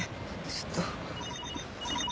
ちょっと。